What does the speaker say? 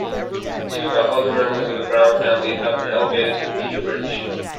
Two other members of the Browne family have been elevated to the peerage.